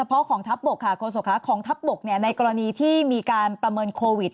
พี่น้องครับของทัพบกในกรณีที่มีการประเมินโครวิด